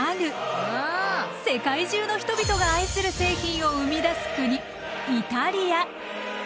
世界中の人々が愛する製品を生み出す国イタリア。